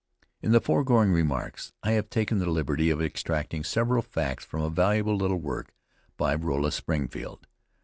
In the forgoing remarks I have taken the liberty of extracting several facts from a valuable little work by Rolla Springfield.